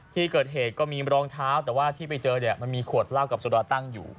ที่เกิดเหตุก็มีรองเท้าแต่ว่าที่ไปเจอเนี่ยมันมีขวดเหล้ากับโซดาตั้งอยู่